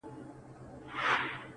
دا ته څنګه راپسې وې په تیاره کي٫